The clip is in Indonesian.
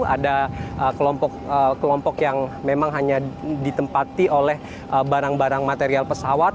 ada kelompok kelompok yang memang hanya ditempati oleh barang barang material pesawat